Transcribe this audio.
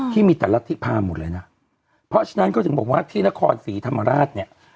ที่มีแต่รัฐธิพาหมดเลยนะเพราะฉะนั้นก็ถึงบอกว่าที่นครศรีธรรมราชเนี่ย